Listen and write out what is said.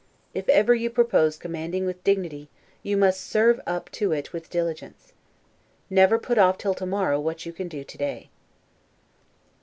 If ever you propose commanding with dignity, you must serve up to it with diligence. Never put off till tomorrow what you can do to day.